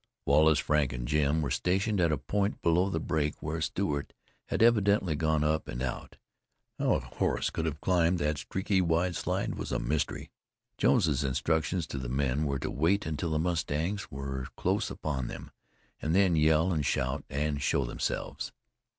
Wallace, Frank and Jim were stationed at a point below the break where Stewart had evidently gone up and out. How a horse could have climbed that streaky white slide was a mystery. Jones's instructions to the men were to wait until the mustangs were close upon them, and then yell and shout and show themselves.